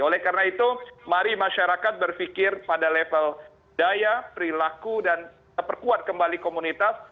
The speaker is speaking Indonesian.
oleh karena itu mari masyarakat berpikir pada level daya perilaku dan perkuat kembali komunitas